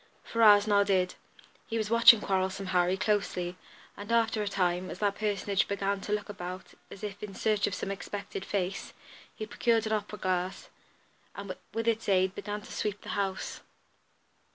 Ferrars nodded. He was watching "Quarrelsome Harry" closely, and after a time, as that personage began to look about as if in search of some expected face, he procured an opera glass, and with its aid began to sweep the house.